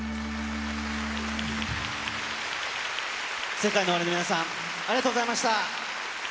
ＳＥＫＡＩＮＯＯＷＡＲＩの皆さん、ありがとうございました。